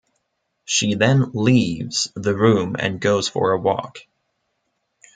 She then "leaves" the room and goes for a walk.